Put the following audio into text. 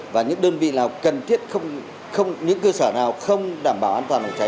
và những đơn vị nào cần thiết những cơ sở nào không đảm bảo an toàn bằng cháy